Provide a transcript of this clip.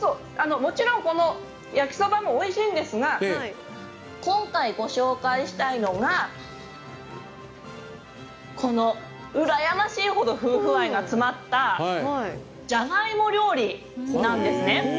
もちろん焼きそばも、おいしいんですが今回、ご紹介したいのがこの羨ましいほど夫婦愛が詰まったジャガイモ料理なんですね。